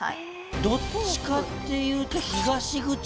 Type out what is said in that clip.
どっちかっていうと。